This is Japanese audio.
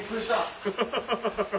アハハハハ！